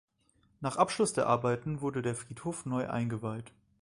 Nach Abschluss der Arbeiten wurde der Friedhof neu eingeweiht.